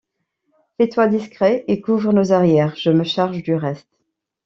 Fais-toi discret et couvre nos arrières, je me charge du reste.